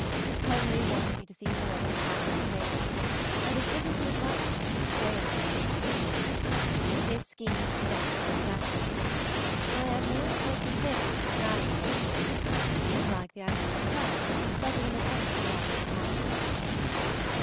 Henry wants me to see more of his Hanwell favorite, and has written to invite her to spend a day or two here with me. His scheme is to fetch her on Saturday. I am more and more convinced that he will marry again soon, and like the idea of her better than of anybody else at hand.